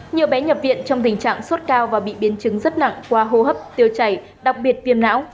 nhiều bé nhập viện trong tình trạng sốt cao và bị biến chứng rất nặng qua hô hấp tiêu chảy đặc biệt viêm não